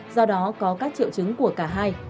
do đó có các triệu chứng của cả hai